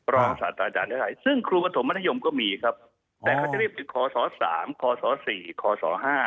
รองศาสตราจารย์ไทยซึ่งครูปฐมมัธยมก็มีครับแต่เขาจะเรียกเป็นคศ๓คศ๔คศ๕